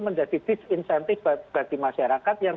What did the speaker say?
menjadi disinsentif bagi masyarakat yang